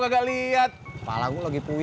sebaliknya problems dan immensely